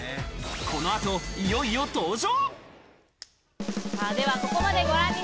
この後、いよいよ登場。